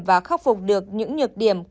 và khắc phục được những nhược điểm